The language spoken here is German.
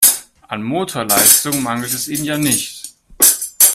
An Motorleistung mangelt es ihnen ja nicht.